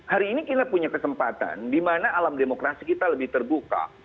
hari ini kita punya kesempatan di mana alam demokrasi kita lebih terbuka